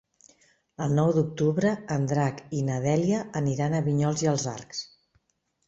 El nou d'octubre en Drac i na Dèlia aniran a Vinyols i els Arcs.